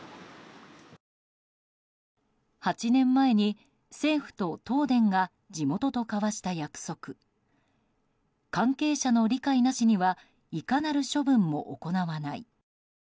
８年前に政府と東電が地元と交わした約束関係者の理解なしにはいかなる処分も行わない。